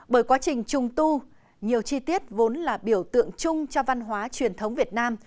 bởi quá trình trùng tu nhiều chi tiết vốn là biểu tượng chung cho văn hóa truyền thống việt nam